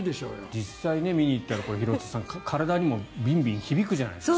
実際に見に行ったら体にもビンビン響くじゃないですか。